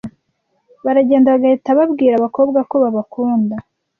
baragenda bagahita babwira abakobwa ko babakunda